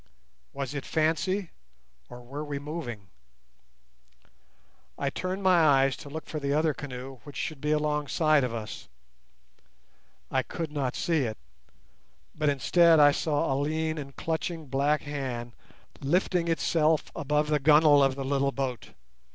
Was it fancy, or were we moving? I turned my eyes to look for the other canoe which should be alongside of us. I could not see it, but instead I saw a lean and clutching black hand lifting itself above the gunwale of the little boat.